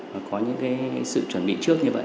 và có những cái sự chuẩn bị trước như vậy